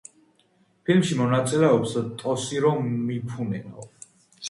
ფილმში მონაწილეობს ტოსირო მიფუნე.